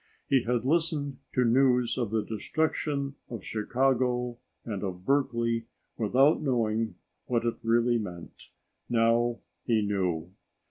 He had listened to news of the destruction of Chicago and of Berkeley without knowing what it really meant. Now he knew.